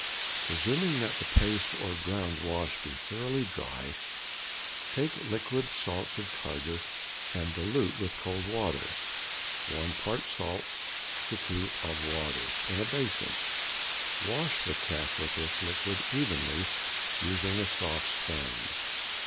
Presuming that the paste or ground wash be thoroughly dry, take liquid salts of tartar and dilute with cold water, one part salts to two of water, in a basin; wash the calf with this liquid evenly, using a soft sponge.